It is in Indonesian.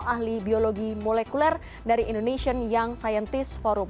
ahli biologi molekuler dari indonesian young scientist forum